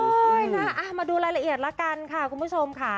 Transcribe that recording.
นะมาดูรายละเอียดละกันค่ะคุณผู้ชมค่ะ